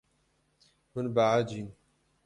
Hûn behecîn.